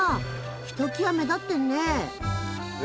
ひときわ目立ってんね！へ